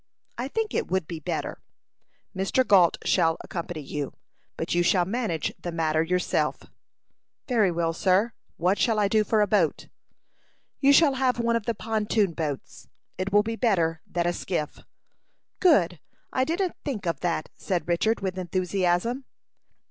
"I think it would be better." "Mr. Gault shall accompany you, but you shall manage the matter yourself." "Very well, sir. What shall I do for a boat?" "You shall have one of the pontoon boats. It will be better than a skiff." "Good! I didn't think of that," said Richard, with enthusiasm.